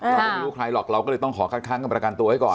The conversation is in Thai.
เราก็ไม่รู้ใครหรอกเราก็เลยต้องขอคัดค้างกับประกันตัวไว้ก่อน